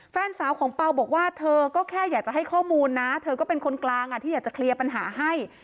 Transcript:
แฟนสาวของเปล่าบอกว่าเธอก็แค่อยากจะให้ข้อมูลนะเธอก็เป็นคนกลางที่อยากจะเคลียร์ปัญหาให้